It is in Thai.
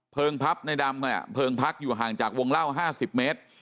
พับในดำเนี่ยเพลิงพักอยู่ห่างจากวงเล่า๕๐เมตร